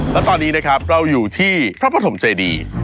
และตอนนี้นะครับเราอยู่ที่พระปฐมเจดี